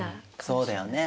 そうだよね。